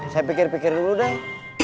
saya pikir pikir dulu deh